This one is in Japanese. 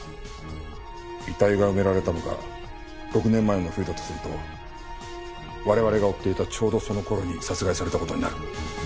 遺体が埋められたのが６年前の冬だとすると我々が追っていたちょうどその頃に殺害された事になる。